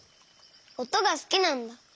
おとがすきなんだ。